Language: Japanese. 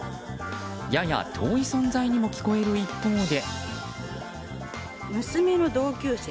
やや遠い存在にも聞こえる一方で。